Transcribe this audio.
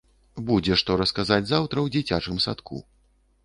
Будзе што расказаць заўтра ў дзіцячым садку.